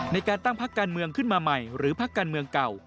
ในการตั้งพักการเมืองขึ้นมาใหม่หรือพักการเมืองเก่า